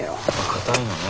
固いのね。